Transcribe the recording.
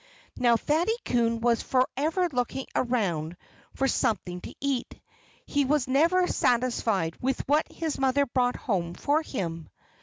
Now, Fatty Coon was forever looking around for something to eat. He was never satisfied with what his mother brought home for him.